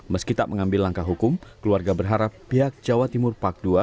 meski tak mengambil langkah hukum keluarga berharap pihak jawa timur park dua